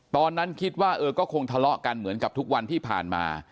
ตอนนั้นคิดว่าเออก็คงทะเลาะกันเหมือนกับทุกวันที่ผ่านมา